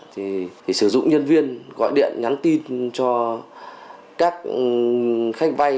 thì sử dụng nhân viên gọi điện nhắn tin cho các khách vay